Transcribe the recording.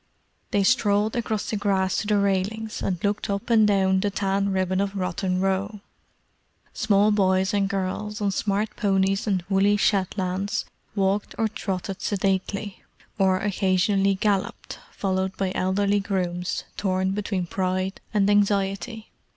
They strolled across the grass to the railings, and looked up and down the tan ribbon of Rotten Row. Small boys and girls, on smart ponies and woolly Shetlands, walked or trotted sedately; or occasionally galloped, followed by elderly grooms torn between pride and anxiety.